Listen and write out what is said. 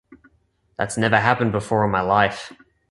That's never happened before in my life.